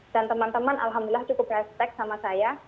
dan teman teman alhamdulillah cukup respect sama saya